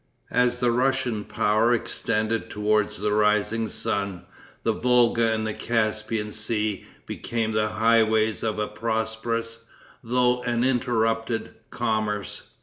As the Russian power extended toward the rising sun, the Volga and the Caspian Sea became the highways of a prosperous, though an interrupted, commerce.